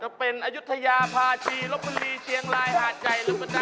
จะเป็นอายุทยาภาชีรบบรีเชียงรายหาดใหญ่